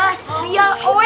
disiram disiram aja ya